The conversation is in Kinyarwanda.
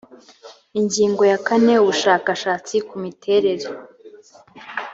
ingingo ya kane ubushakashatsi ku miterere